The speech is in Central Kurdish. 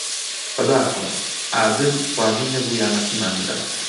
بەداخەوە، عادل ڕازی نەبوو یارمەتیمان بدات.